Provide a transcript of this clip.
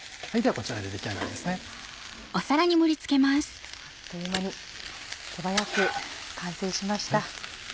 あっという間に手早く完成しました。